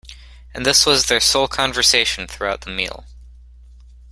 And this was their sole conversation throughout the meal.